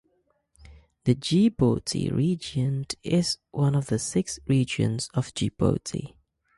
The Djibouti Region is one of the six regions of Djibouti.